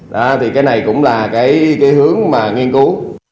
đó thì cái này cũng là cái hướng mà nghiên cứu